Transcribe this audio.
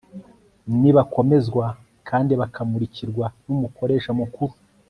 nibakomezwa kandi bakamurikirwa n'umukoresha mukuru